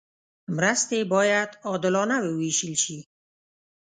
مرستې باید عادلانه وویشل شي.